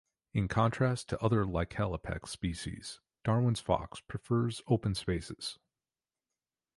In contrast to other "Lycalopex" species, Darwin's fox prefers open spaces.